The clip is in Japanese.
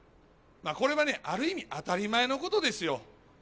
これはね、ある意味、当たり前のことですよ。